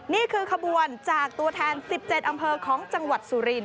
นี่คือขบวนจากตัวแทน๑๗อำเภอของจังหวัดสุรินท